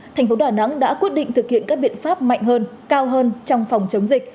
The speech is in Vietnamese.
thành phố đà nẵng đã quyết định thực hiện các biện pháp mạnh hơn cao hơn trong phòng chống dịch